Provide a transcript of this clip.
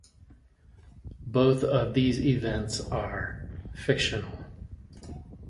Both of these events are fictional.